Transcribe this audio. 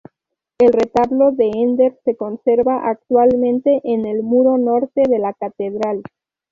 El retablo de Ender se conserva actualmente en el muro norte de la catedral.